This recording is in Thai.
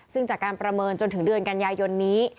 ซึ่งจากการประเมินจนถึงเดือนกันยายนนี้